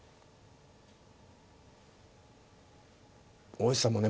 大石さんもね